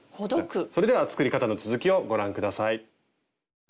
それでは作り方の続きをご覧下さい。